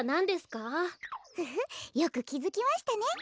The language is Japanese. フフよくきづきましたね。